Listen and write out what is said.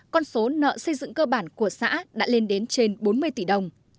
con số nợ xây dựng cơ bản của xã đã lên đến trên bốn mươi tỷ đồng